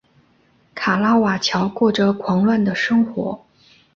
卡拉瓦乔过着狂乱的生活。